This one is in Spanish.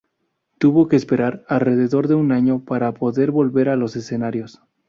Tuvo que esperar alrededor de un año para poder volver a los escenarios.